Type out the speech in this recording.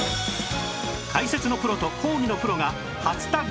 解説のプロと講義のプロが初タッグ！